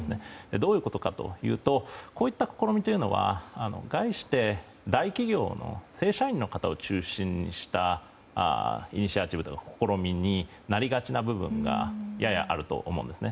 どういうことかというとこういった試みは概して大企業の正社員の方を中心にしたイニシアチブというか試みになりがちな部分がややあると思うんですね。